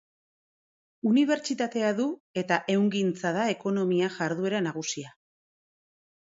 Unibertsitatea du, eta ehungintza da ekonomia jarduera nagusia.